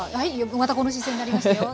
またこの姿勢になりましたよ。